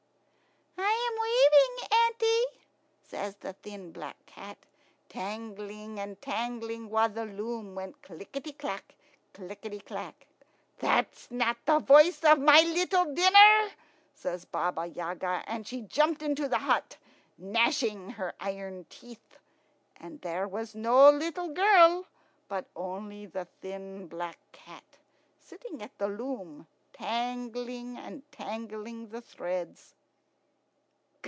"I am weaving, auntie," says the thin black cat, tangling and tangling, while the loom went clickety clack, clickety clack. "That's not the voice of my little dinner," says Baba Yaga, and she jumped into the hut, gnashing her iron teeth; and there was no little girl, but only the thin black cat, sitting at the loom, tangling and tangling the threads.